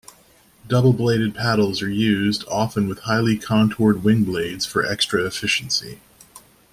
Double-bladed paddles are used, often with highly contoured wing blades for extra efficiency.